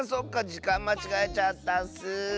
じかんまちがえちゃったッス。